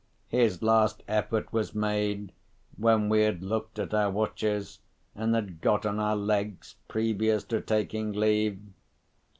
His last effort was made, when we had looked at our watches, and had got on our legs previous to taking leave.